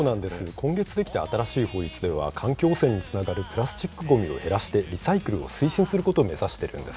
今月出来た新しい法律では、環境汚染につながるプラスチックごみを減らして、リサイクルを推進することを目指してるんです。